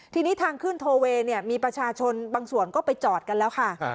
ทีนี้ทางขึ้นโทเวย์เนี่ยมีประชาชนบางส่วนก็ไปจอดกันแล้วค่ะ